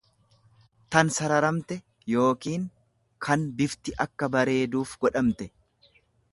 tan sararamte yookiin kan bifti akka bareeduuf godhamte.